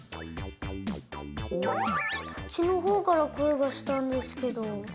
こっちのほうからこえがしたんですけど。